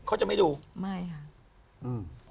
เขาจะไม่ดูไม่ค่ะอืม